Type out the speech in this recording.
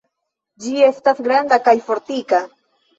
Ĝi estas granda kaj fortika.